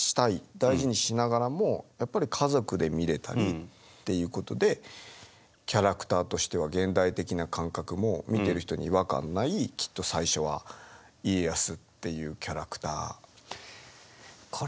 大事にしながらもやっぱり家族で見れたりっていうことでキャラクターとしては現代的な感覚も見てる人に違和感ないきっと最初は家康っていうキャラクター。